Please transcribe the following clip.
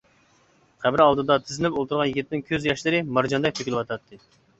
قەبرە ئالدىدا تىزلىنىپ ئولتۇرغان يىگىتنىڭ كۆز ياشلىرى مارجاندەك تۆكۈلۈۋاتاتتى.